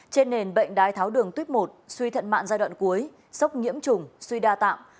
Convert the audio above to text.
trên nền bệnh đái tháo đường tuyếp một suy thận mạng giai đoạn cuối sốc nhiễm trùng suy đa tạng